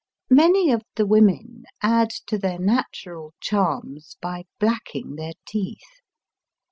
Many of the women add to their natural charms by blacking their teeth.